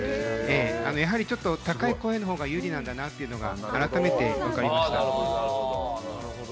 やはり、ちょっと高い声の方が有利なんだなっていうのが改めて分かりました。